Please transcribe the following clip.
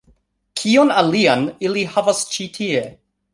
Kion alian ili havas ĉi tie